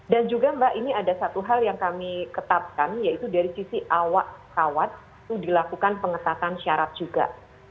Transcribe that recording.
dan juga mbak ini ada satu hal yang kami ketapkan yaitu dari sisi awak kawat itu dilakukan pengetatan syarat juga